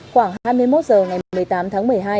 khoảng hai mươi một h ngày một mươi tám tháng một mươi hai